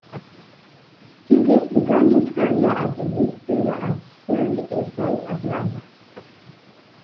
Hughes began his career as a youth player at Serie A side Atalanta.